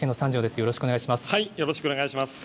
よろしくお願いします。